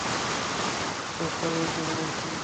তুই এসব তাদের কেন বলছিস?